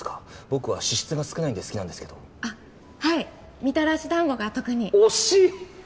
僕は脂質が少ないんで好きなんですけどあっはいみたらし団子が特に惜しい！